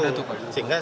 sehingga saya berharap